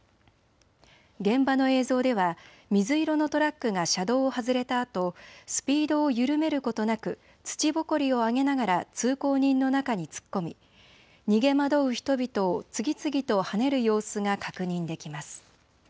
現場の映像では水色のトラックが車道を外れたあとスピードを緩めることなく土ぼこりを上げながら通行人の中に突っ込み逃げ惑う人々を次々とはねる様子が確認できます。